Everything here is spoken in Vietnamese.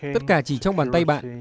tất cả chỉ trong bàn tay bạn